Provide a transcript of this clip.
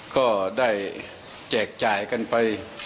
ก็ได้แจกจ่ายกันไป